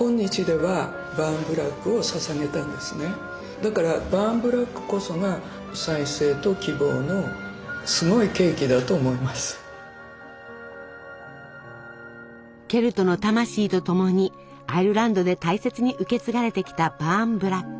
だからバーンブラックこそがケルトの魂とともにアイルランドで大切に受け継がれてきたバーンブラック。